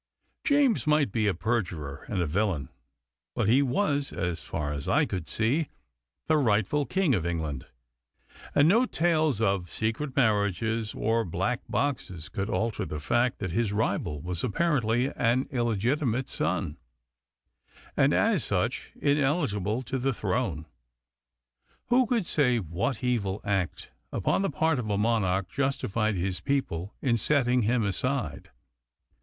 James might be a perjurer and a villain, but he was, as far as I could see, the rightful king of England, and no tales of secret marriages or black boxes could alter the fact that his rival was apparently an illegitimate son, and as such ineligible to the throne. Who could say what evil act upon the part of a monarch justified his people in setting him aside?